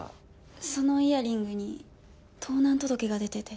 そのイヤリングに盗難届が出てて。